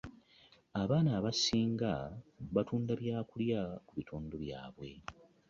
Abaana abasinga batunda byakulya ku bitundu byaabwe.